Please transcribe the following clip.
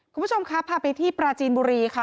คุณผู้ชมครับพาไปที่ปราจีนบุรีค่ะ